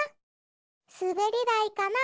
すべりだいかな？